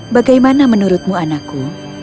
bagaimana menurutmu anakku